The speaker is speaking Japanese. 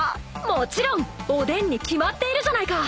もちろんおでんに決まっているじゃないか！